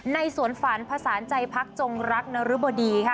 ในสวนฝันผสานใจพักจงรักนรบดีค่ะ